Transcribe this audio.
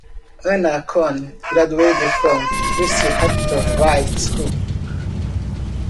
Annacone graduated from East Hampton High School.